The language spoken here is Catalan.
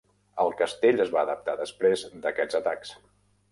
El castell es va adaptar després d"aquests atacs.